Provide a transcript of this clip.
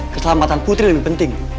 keselamatan putri lebih penting